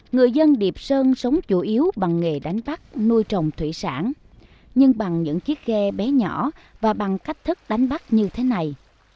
người dân điệp sơn sống chủ yếu bằng nghề đánh bắt nuôi trồng thủy sản nhưng bằng những chiếc ghe bé nhỏ và bằng cách thức đánh bắt như thế này